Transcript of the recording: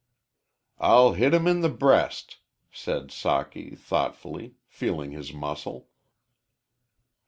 "I'll hit him in the breast," said Socky, thoughtfully, feeling his muscle.